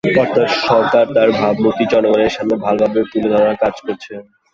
অর্থাৎ সরকার তার ভাবমূর্তি জনগণের সামনে ভালোভাবে তুলে ধরার কাজ করছে।